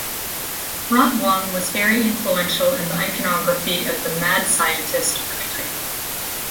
Rotwang was very influential in the iconography of the mad scientist archetype.